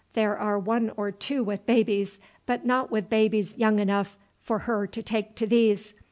"There are one or two with babies, but not with babies young enough for her to take to these.